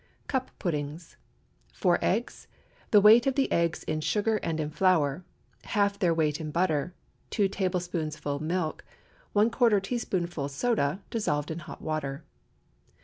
CUP PUDDINGS. 4 eggs. The weight of the eggs in sugar and in flour. Half their weight in butter. 2 tablespoonfuls milk. ¼ teaspoonful soda, dissolved in hot water.